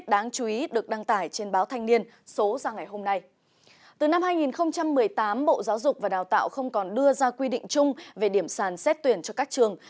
từ năm hai nghìn một mươi tám bộ giáo dục và đào tạo không còn đưa ra quy định chung về điểm sàn xét tuyển cho các trường